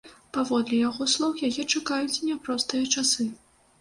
Паводле яго слоў, яе чакаюць няпростыя часы.